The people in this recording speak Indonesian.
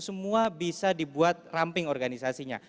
semua bisa dibuat ramping organisasinya